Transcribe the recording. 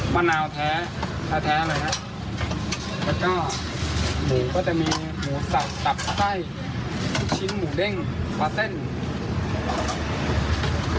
สูตรของเราจะเป็นมะนาวแท้แท้หน่อยครับ